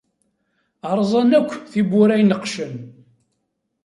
Rẓan akk tiwwura ineqcen.